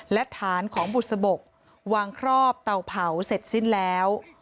และฐานของบุษบกวางครอบเตาเผาเสร็จสิ้นแล้ว